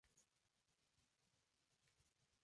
Fue amigo personal y fotógrafo oficial de George Orwell.